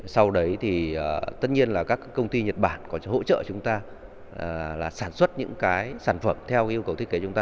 sau đấy tất nhiên là các công ty nhật bản có hỗ trợ chúng ta sản xuất những sản phẩm theo yêu cầu thiết kế chúng ta